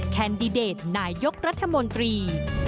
แคนดิเดตนายกรัฐมนตรี